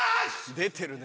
出てるね。